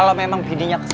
itu kayak bini nya deh ya